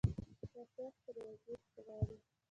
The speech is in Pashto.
دا سخت ریاضت غواړي.